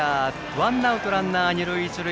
ワンアウトランナー、二塁一塁。